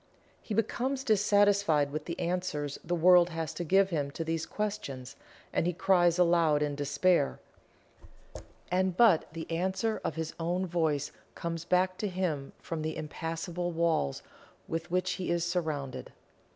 He becomes dissatisfied with the answers the world has to give him to these questions, and he cries aloud in despair and but the answer of his own voice comes back to him from the impassable walls with which he is surrounded.